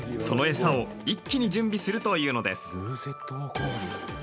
その餌を一気に準備するというのです。